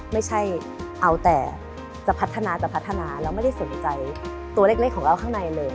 ไม่ใช่เอาแต่จะพัฒนาจะพัฒนาเราไม่ได้สนใจตัวเล็กของเราข้างในเลย